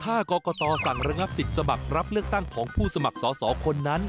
ถ้ากรกตสั่งระงับสิทธิ์สมัครรับเลือกตั้งของผู้สมัครสอสอคนนั้น